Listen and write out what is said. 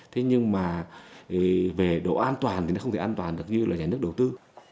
thế nhưng mà về độ an toàn thì nó không thể an toàn được như là nhà nước đầu tư